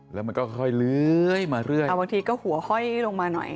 แล้วมันก็ค่อยเลื้อยมาเรื่อยบางทีก็หัวห้อยลงมาหน่อย